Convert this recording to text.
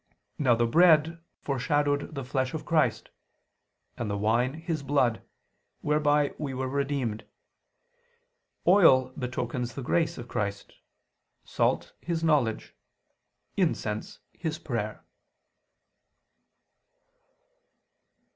Now the bread foreshadowed the flesh of Christ; and the wine, His blood, whereby we were redeemed; oil betokens the grace of Christ; salt, His knowledge; incense, His prayer.